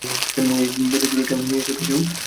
এই, আমার বেতের ছড়িটা নিয়ে এসো তো কেউ?